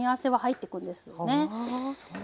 はあそう